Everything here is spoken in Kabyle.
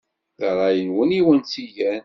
D ṛṛay-nwen i awen-tt-igan.